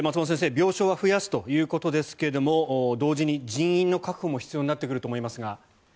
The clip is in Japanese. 病床は増やすということですが同時に人員の確保も必要になってくると思いますが。